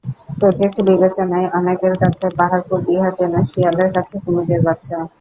Project বিবেচনায় অনেকের কাছে পাহাড়পুর বিহার যেন শিয়ালের কাছে কুমিরের বাচ্চা।